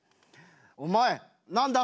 「お前何だ？